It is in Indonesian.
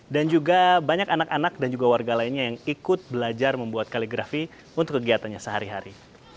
dan juga banyak anak anak dan warga lainnya yang ikut belajar membuat kaligrafi untuk kegiatannya sehari hari